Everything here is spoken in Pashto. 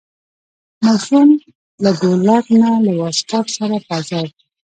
ماشوم له ډولک نه له واسکټ سره په عذاب و.